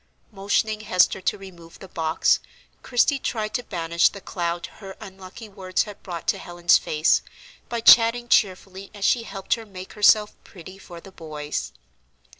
Motioning Hester to remove the box, Christie tried to banish the cloud her unlucky words had brought to Helen's face, by chatting cheerfully as she helped her make herself "pretty for the boys."